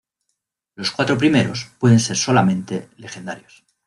Los cuatro primeros pueden ser solamente legendarios.